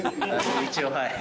一応、はい。